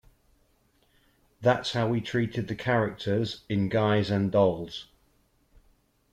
That's how we treated the characters in "Guys and Dolls".